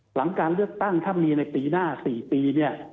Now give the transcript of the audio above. หลังการเลือกตั้งถ้ามีในปีหน้า๔ปีเนี่ย